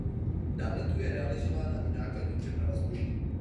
Dále tu je realizována i nákladní přeprava zboží.